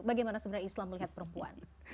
bagaimana sebenarnya islam melihat perempuan